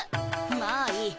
まあいい。